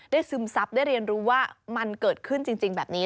ซึมซับได้เรียนรู้ว่ามันเกิดขึ้นจริงแบบนี้